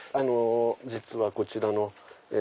実はこちらの。